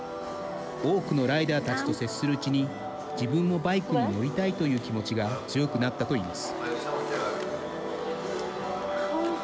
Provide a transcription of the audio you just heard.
多くのライダーたちと接するうちに自分もバイクに乗りたいという気持ちが強くなったといいます。